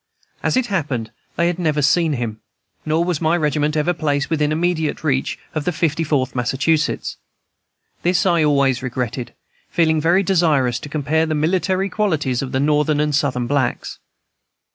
As it happened, they had never seen him, nor was my regiment ever placed within immediate reach of the Fifty Fourth Massachusetts. This I always regretted, feeling very desirous to compare the military qualities of the Northern and Southern blacks.